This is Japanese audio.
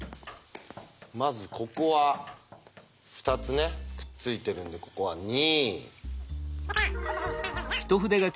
まずここは２つねくっついてるんでここは２。